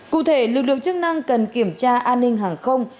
cụ thể lực lượng chức năng cần kiểm tra an ninh hàng không